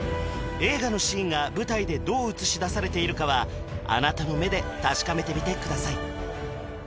映画のシーンが舞台でどう映し出されているかはあなたの目で確かめてみてください